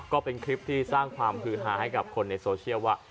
ก็เป็นคลิปที่สร้างความฮือฮาให้กับคนในโซเชียลว่า